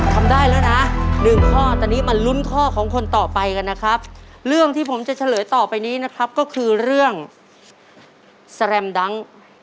ทำได้แล้วนะหนึ่งข้อตอนนี้มาลุ้นข้อของคนต่อไปกันนะครับเรื่องที่ผมจะเฉลยต่อไปนี้นะครับก็คือเรื่องสแรมดัง